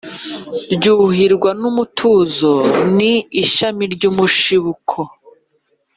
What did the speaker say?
rwuhirwa n’umutozo. ni ishami ry’umushibuko